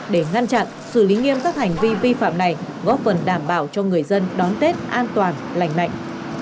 để ngăn chặn xử lý nghiêm các hành vi vi phạm này góp phần đảm bảo cho người dân đón tết an toàn lành mạnh